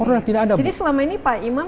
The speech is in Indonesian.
jadi selama ini pak imam